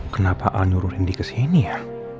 kenapa al nyuruh rendy kesini ya